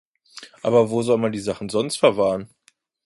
Aber wo soll man die Sachen sonst verwahren?